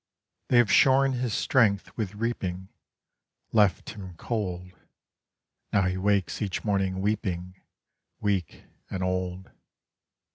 They have shorn his strength with reaping, Left him cold; Now he wakes each morning weeping, Weak and old.